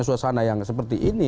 suasana yang seperti ini